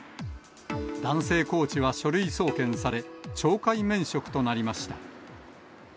男性コーチは書類送検され、懲戒免職となりました。